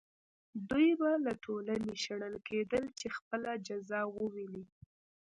دوی به له ټولنې شړل کېدل چې خپله جزا وویني.